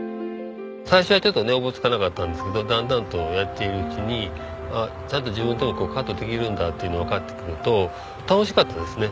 最初はちょっとねおぼつかなかったんですけどだんだんとやっているうちにちゃんと自分でもカットできるんだっていうのをわかってくると楽しかったですね。